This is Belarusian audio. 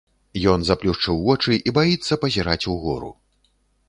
Ён заплюшчыў вочы і баіцца пазіраць угору.